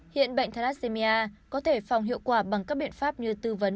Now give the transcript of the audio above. hiện bệnh thalassemia có thể phòng hiệu quả bằng các biện pháp như tư vấn